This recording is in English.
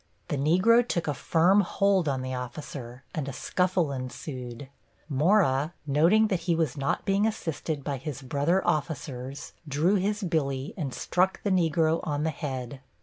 The Negro took a firm hold on the officer, and a scuffle ensued. Mora, noting that he was not being assisted by his brother officers, drew his billy and struck the Negro on the head.